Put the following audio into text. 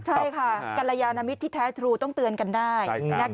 ใช่ค่ะกรยานมิตรที่แท้ทรูต้องเตือนกันได้